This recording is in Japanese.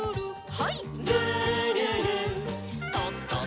はい。